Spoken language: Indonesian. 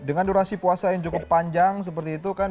dengan durasi puasa yang cukup panjang seperti itu kan